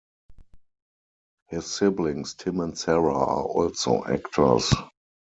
His siblings Tim and Sarah are also actors.